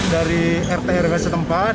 dari rt rk setempat